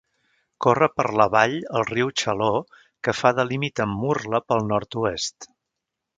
Corre per la vall el riu Xaló que fa de límit amb Murla pel nord-oest.